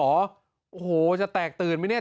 โอ้โหจะแตกตื่นไหมเนี่ย